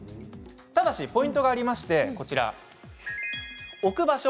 ただしポイントがありまして置く場所